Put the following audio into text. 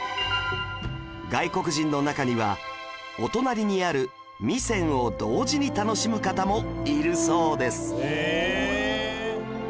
外国人の中にはお隣にある弥山を同時に楽しむ方もいるそうです